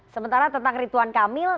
sementara tentang rituan kamil